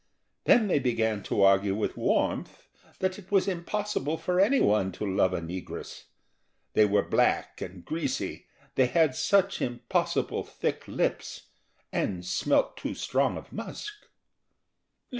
Then they began to argue with warmth that it was impossible for any one to love a negress: they were black and greasy, they had such impossible thick lips, and smelt too strong of musk.